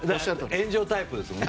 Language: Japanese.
炎上タイプですもんね。